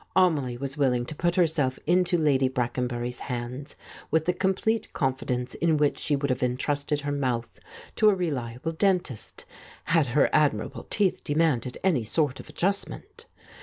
Amelie was will ing to put herself into Lady Brackenbury's hands with the complete confidence in which she would have entrusted her mouth to a reliable dentist, had her admirable teeth demanded any sort of adjustment.